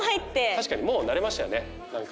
確かにもう慣れましたよねなんか。